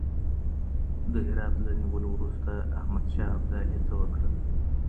د هرات له نیولو وروسته احمد شاه ابدالي څه وکړل؟